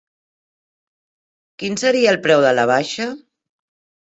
Quin seria el preu de la baixa?